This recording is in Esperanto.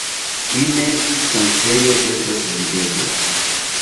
Fine sanktejo estas videbla.